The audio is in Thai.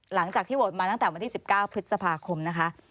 หลังจากที่โหวตมาตั้งแต่วันที่๑๙พฤษภาคมนะคะ